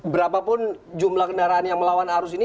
berapapun jumlah kendaraan yang melawan arus ini